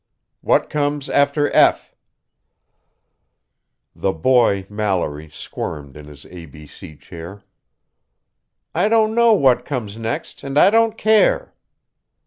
What comes after 'F'?" The boy Mallory squirmed in his ABC chair. "I don't know what comes next and I don't care!"